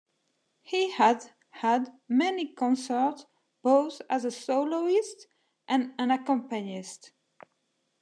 He has had many concerts both as a soloist and an accompanist.